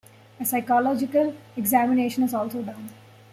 A psychological examination is also done.